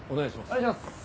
お願いします。